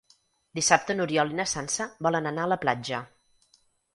Dissabte n'Oriol i na Sança volen anar a la platja.